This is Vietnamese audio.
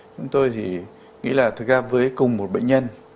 chúng tôi thì nghĩ là thực ra với cùng một bệnh nhân